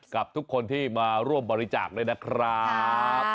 กับทุกคนที่มาร่วมบริจาคด้วยนะครับ